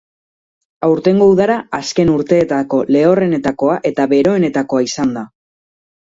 Aurtengo udara azken urteetako lehorrenetakoa eta beroenetakoa izan da.